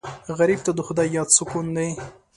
غریب ته د خدای یاد سکون دی